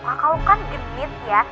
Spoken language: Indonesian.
kakak lo kan gemit ya